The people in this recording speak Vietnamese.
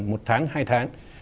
một tháng hai tháng